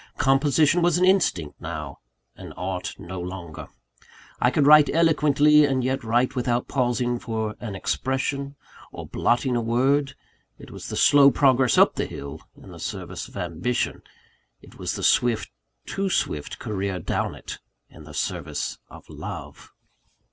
Composition was an instinct now, an art no longer. I could write eloquently, and yet write without pausing for an expression or blotting a word It was the slow progress up the hill, in the service of ambition; it was the swift (too swift) career down it, in the service of love!